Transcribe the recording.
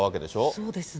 そうですね。